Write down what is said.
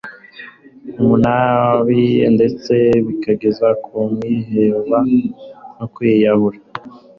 umunabi ndetse zikageza ku kwiheba no kwiyahura